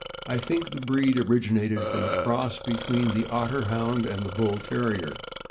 I think the breed originated from a cross between the Otter Hound and the Bull Terrier.